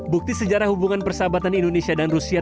bukti sejarah hubungan persahabatan indonesia dan rusia